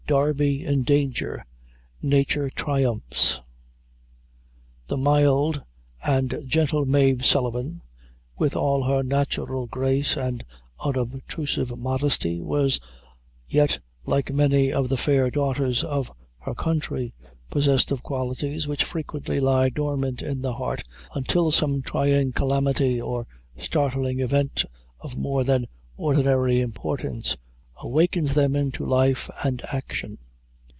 Darby in Danger Nature Triumphs. The mild and gentle Mave Sullivan, with all her natural grace and unobtrusive modesty, was yet like many of the fair daughters of her country, possessed of qualities which frequently lie dormant in the heart until some trying calamity or startling event of more than ordinary importance, awakens them into life and action.